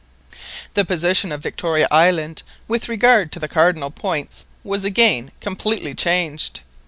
The position of Victoria Island with regard to the cardinal points was again completely changed.